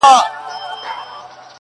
د ځنګله په پاچهي کي هر څه کېږي!!..